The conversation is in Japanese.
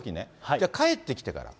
じゃあ、帰ってきてから。